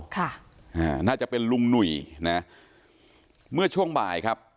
ค่ะอ่าน่าจะเป็นลุงหนุ่ยนะเมื่อช่วงบ่ายครับ